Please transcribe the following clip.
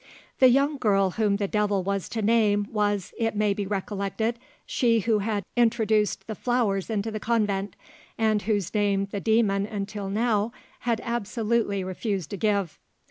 The young girl whom the devil was to name was, it may be recollected, she who had introduced the flowers into the convent, and whose name the demon until now had absolutely refused to give.